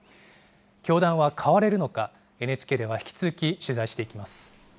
教団は変われるのか、ＮＨＫでは引き続き取材していきます。